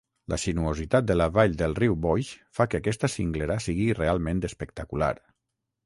La sinuositat de la vall del riu Boix fa que aquesta cinglera sigui realment espectacular.